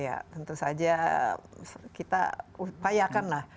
ya tentu saja kita upayakan lah